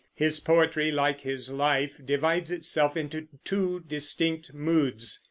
His poetry, like his life, divides itself into two distinct moods.